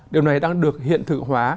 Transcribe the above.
điều này đang được hiện thực hóa